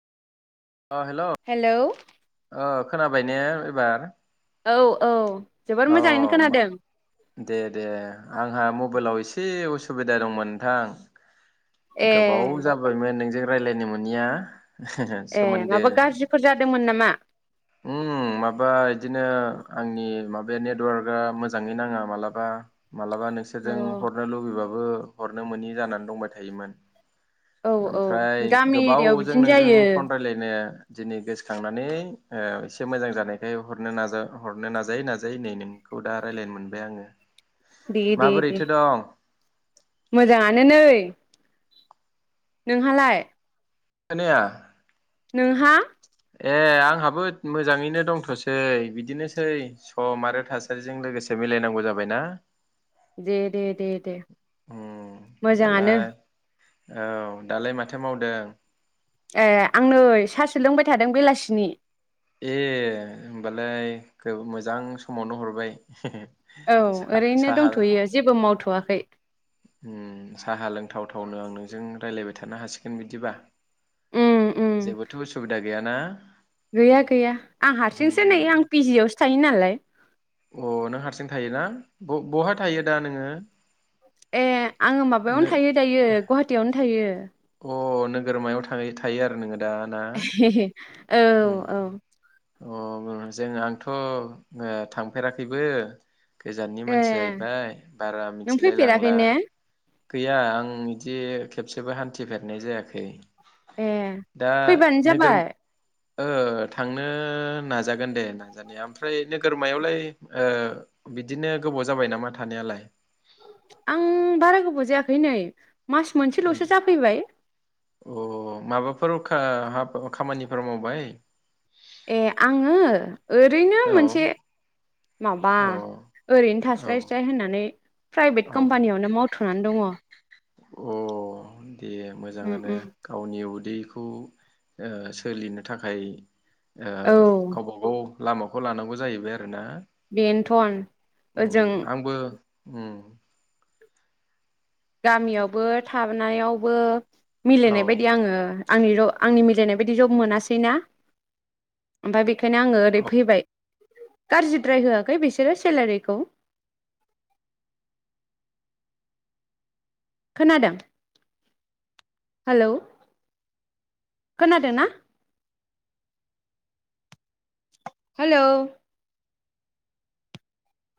अ hello. खोनाबाय ने एबार औ औ जोबोर अ मोजाङैनो खोनादों। दे दे। आंहा मबाइलाव एसे उसुबिदा दंमोन ए नोंथां। गोबाव जाबायमोन नोंजों राय्लायनो मोनिया ए सोमोन्दो माबा गाज्रिफोर जादोंमोन नामा? माबा बिदिनो आंनि माबाया नेटवार्कआ मोजाङै नाङा मालाबा मालाबा औ नोंसोरजों हरनो लुबैबाब बो हरनो मोनि जानानै दंबाय थायोमोन। औ ओमफ्राय गामि एरियायाव गोबावजों बिदिनो नोंजों जायो। फन रायलायनो दिनै गोसोखांनानै ओ एसे मोजां जानायखाय हरनो नाजा हरनो नाजायै नाजायै नै नोंखौ दा रायलायनो मोनबाय आंङो। दे दे दे माबोरैथो दं? मोजाङानो नै। नोंहालाय? खोनाया। नोंहा? ए आंहाबो मोजाङैनो दंथ'सै बिदिनोसै सम आरो थासारिजों लोगोसे मिलायनांगौ जाबायना। दे दे दे दे उम मोजाङानो। दालाय औ दालाय माथो मावदों? ए आं नै सासो लोंबाय थादों बेलासिनि। ए होमबालाय ग्रोब मोजां समावनो हरबाय। औ ओरैनो सा-साहा दंथ'यो जेबो मावथ'वाखै। उम साहा लोंथावथावनो आं नोंजों रायलायबाय थानो हासिगोन बिदिबा। उम उम जेबोथ' उसुबिदा गैयााना? गैया गैया आं हारसिंसो नै आं पि जिआव थायोनालाय। अ नों हारसिं थायोना ब-बहा थायो दा नोङो? ए। आङो नो माबायावनो थायो दायो गुवाहाटियावनो थायो। अ नोगोरमायाव थाय थायो आरो नोङो दा ना औ औ। अ जों आंथ' ओ थांफेराखैबो। गोजाननि मानसि ए जाहैबाय बारा नों मिथिलाय फैफेराखै लांला। ने गैया आं बिदि खेबसेबो हान थिफेरनाय जायाखै। ए दा फैबानो नोगोर जाबाय। ओ थांनो नाजागोन दे नाजानाया ओमफ्राय नोगोरमायावलाय ओ बिदिनो गोबाव जाबाय नामा थानायालाय? आं बारा गोबाव जायाखै नै मास उम। मोनसेल'सो जाफैबाय। अ माबाफोर खा हाब अ खामानिफोर मावबाय? ए आङो ओरैनो औ मोनसे माबा औ ओरैनो औ थास्लायस्लाय होननानै प्राइभेट औ कम्पानियावनो मावथ'नानै दङ। अ। दे मोजाङानो उम गावनि उदै खौ ओ सोलिनो थाखाय ओ औ गावबा गाव लामाखौ लानांगौ जाहैबाय आरो ना? बेन्थन ओजों उम्म। गामियावबो थानायावबो मिलायनाय औ बायदि आंङो आंनि आंनि मिलायनाय बायदि जब मोनासैना ओमफ्राय बेखायनो आंङो ओरै फैबाय गाज्रिद्राय होआखै बिसोरो सेलारिखौ। खोनादों हेलौ खोनादोंना? हेलौ।